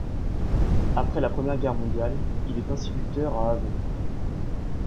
Après la Première Guerre mondiale, il est instituteur à Avon.